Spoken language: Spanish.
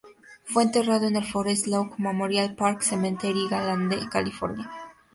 Fue enterrado en el Forest Lawn Memorial Park Cemetery de Glendale, California.